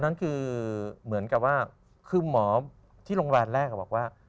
นั่นคือเหมือนกับว่าคือหมอที่โรงแรมแรกบอกว่า